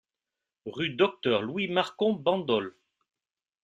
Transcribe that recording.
Rue Docteur Louis Marcon, Bandol